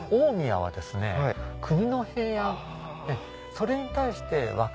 それに対して。